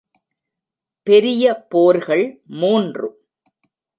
பெரிய போர்கள் மூன்று.